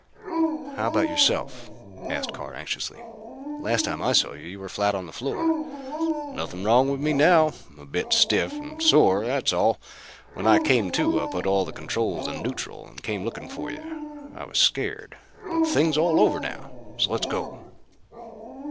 "How about yourself?" asked Carr anxiously. "Last time I saw you you were flat on the floor." "Nothing wrong with me now. A bit stiff and sore, that's all. When I came to I put all the controls in neutral and came looking for you. I was scared, but the thing's all over now, so let's go."